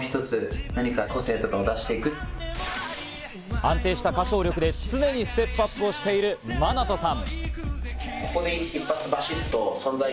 安定した歌唱力で常にステップアップをしているマナトさん。